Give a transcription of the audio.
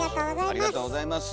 ありがとうございます。